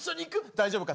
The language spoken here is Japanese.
大丈夫か？